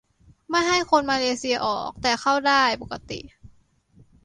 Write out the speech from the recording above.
- ไม่ให้คนมาเลเซียออก แต่เข้าได้ปกติ